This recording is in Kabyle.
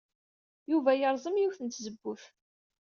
Yuba yerẓem yiwet n tzewwut.